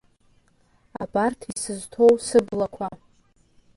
Абарҭ исызҭоу сыблақәа!